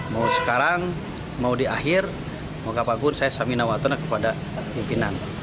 mau sekarang mau di akhir mau kapapun saya samina watona kepada pimpinan